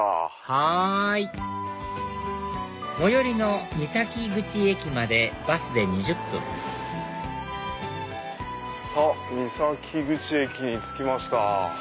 はい最寄りの三崎口駅までバスで２０分さぁ三崎口駅に着きました。